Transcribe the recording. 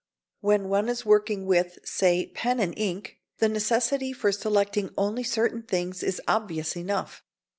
When one is working with, say, pen and ink, the necessity for selecting only certain things is obvious enough.